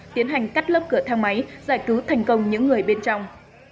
tiến hành cắt lớp cửa thang máy giải cứu thành công những người bên trong